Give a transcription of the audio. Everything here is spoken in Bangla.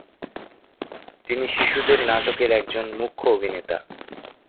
তিনি শিশুদের নাটকের একজন মুখ্য অভিনেতা।